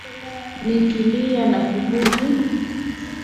nikilia na kudhii